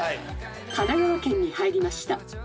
神奈川県に入りました。